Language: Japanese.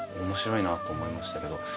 面白いなと思いましたけど。